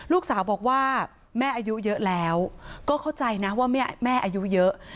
ลูกสาวบอกว่าแม่อายุเยอะแล้วก็เข้าใจนะว่าแม่อายุเยอะ